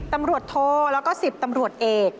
ตำรวจโทแล้วก็๑๐ตำรวจเอก